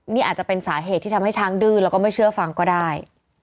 นี่อาจจะเป็นสาเหตุที่ทำให้ช้างดื้อแล้วก็ไม่เชื่อฟังก็ได้